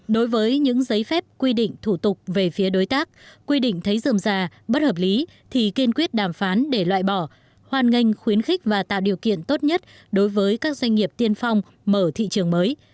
đối với những giấy phép quy định thủ tục về phía đối tác quy định thấy dườm già bất hợp lý thì kiên quyết đàm phán để loại bỏ hoàn ngành khuyến khích và tạo điều kiện tốt nhất đối với các doanh nghiệp tiên phong mở thị trường mới